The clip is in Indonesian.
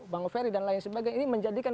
bang ferry dan lain sebagainya ini menjadikan